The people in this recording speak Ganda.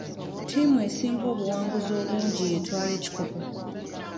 Ttiimu esinga obuwanguzi obungi yeetwala ekikopo.